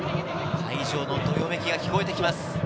会場のどよめきが聞こえてきます。